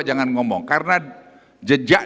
jangan ngomong karena jejak